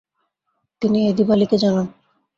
তিনি এদিবালিকে জানান।